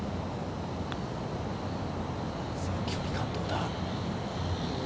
距離感はどうだ？